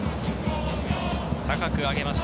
高く上げました。